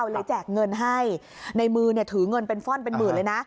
แจกเงินให้ในมือถือเงินเป็นฟ่อนเป็นหมื่นเลยนะ